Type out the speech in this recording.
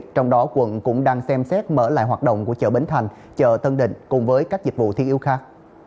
trong đó quận cũng đang xem xét mở lại hoạt động của chợ bến thành chợ tân định cùng với các dịch vụ thiết yếu khác